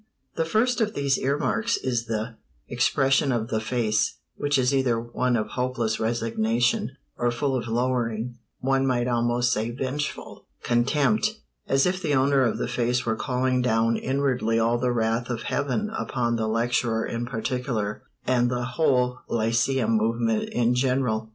The first of these earmarks is the expression of the face, which is either one of hopeless resignation, or full of lowering, one might almost say vengeful, contempt, as if the owner of the face were calling down inwardly all the wrath of Heaven upon the lecturer in particular, and the whole lyceum movement in general.